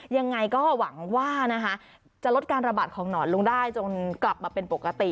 ยังไงก็หวังว่านะคะจะลดการระบาดของหนอนลงได้จนกลับมาเป็นปกติ